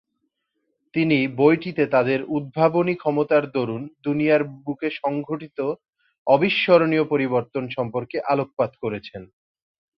তিনি বইটিতে তাদের উদ্ভাবনী ক্ষমতার দরুন দুনিয়ার বুকে সংঘটিত অবিস্মরণীয় পরিবর্তন সম্পর্কে আলোকপাত করেছেন।